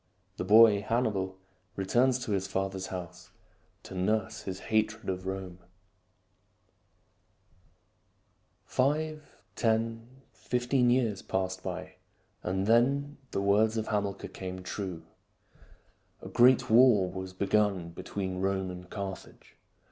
The boy Hannibal returns to his father's house to nurse his hatred of Rome. II. CROSSING THE ALPS Five, ten, fifteen years passed by, and then the words of Hamilcar came true. A great war was begun between Rome and Carthage.